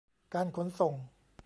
การขนส่ง